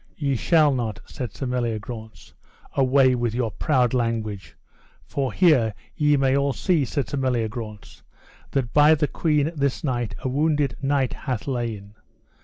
Ye shall not, said Sir Meliagrance, away with your proud language, for here ye may all see, said Sir Meliagrance, that by the queen this night a wounded knight hath lain.